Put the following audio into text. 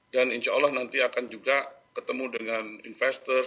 dan insya allah nanti akan juga ketemu dengan investor